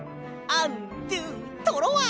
アンドゥトロワ！